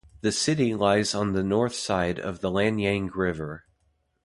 The city lies on the north side of the Lanyang River.